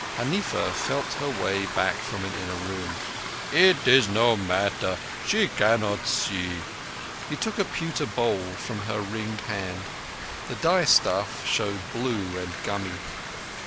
Huneefa felt her way back from an inner room. "It is no matter, she cannot see." He took a pewter bowl from her ringed hand. The dye stuff showed blue and gummy.